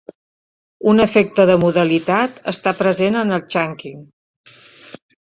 Un efecte de modalitat està present en el chunking.